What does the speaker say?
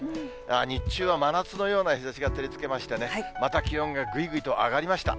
日中は真夏のような日ざしが照りつけましてね、また気温がぐいぐいと上がりました。